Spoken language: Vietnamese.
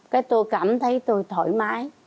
cái tôi cảm thấy tôi thoải mái